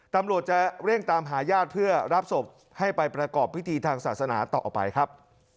ตำรวจจะเร่งตามหาญาติเพื่อรับศพให้ไปประกอบพิธีทางศาสนาต่อไปครับ